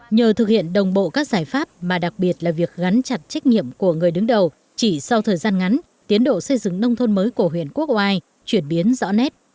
nhờ thực hiện đồng bộ các giải pháp mà đặc biệt là việc gắn chặt trách nhiệm của người đứng đầu chỉ sau thời gian ngắn tiến độ xây dựng nông thôn mới của huyện quốc oai chuyển biến rõ nét